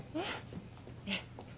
えっ？